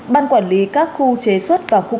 ban quản lý các khu chế xuất và khu công thương